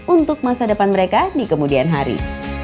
untuk masa depan mereka di kemudian hari